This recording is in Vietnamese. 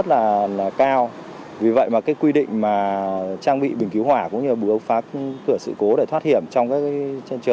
từ ngày một mươi tháng một năm hai nghìn hai mươi một nghị định một trăm ba mươi sáu của chính phủ